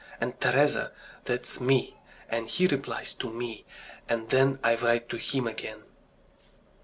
And Teresa that's me, and he replies to me, and then I write to him again..."